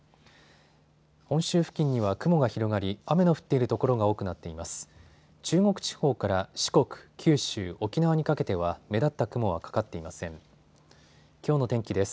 本州付近は雲が広がり雨の降っている所が多くなっています。